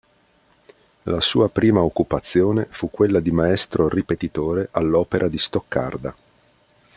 La sua prima occupazione fu quella di maestro ripetitore all'Opera di Stoccarda.